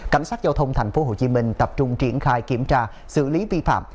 cảnh sát giao thông tp hcm tập trung triển khai kiểm tra xử lý vi phạm